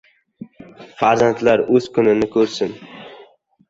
Farzandlar o‘z kunini o‘zi ko‘rsin!